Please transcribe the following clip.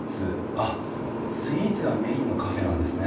あっスイーツがメインのカフェなんですね。